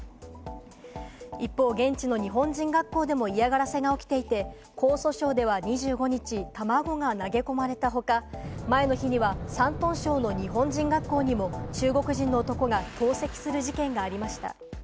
一方、現地の日本人学校でも嫌がらせが起きていて、江蘇省では２５日、卵が投げ込まれた他、前の日には山東省の日本人学校にも、中国人の男が投石する事件がありました。